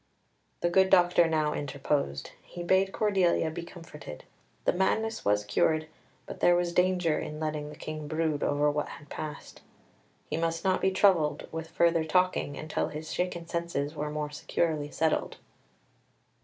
The good doctor now interposed; he bade Cordelia be comforted: the madness was cured, but there was danger in letting the King brood over what had passed. He must not be troubled with further talking until his shaken senses were more securely settled.